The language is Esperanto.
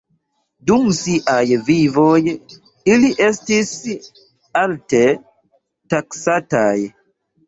Dum siaj vivoj, ili estis alte taksataj.